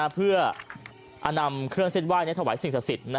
เพื่อนำเครื่องเส้นไหว้ถวายสิ่งศักดิ์สิทธิ์